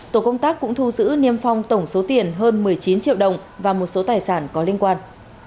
tổ công tác cũng thu giữ niêm phong tổng số tiền hơn một mươi chín triệu đồng và một số tài sản có liên quan